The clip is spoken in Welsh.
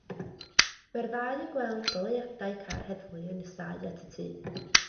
Mae'r ddau yn gweld goleuadau car heddlu yn nesáu at y tŷ.